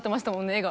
絵が。